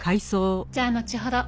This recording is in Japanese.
じゃあのちほど。